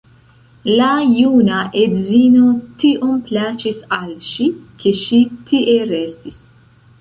La juna edzino tiom plaĉis al ŝi, ke ŝi tie restis.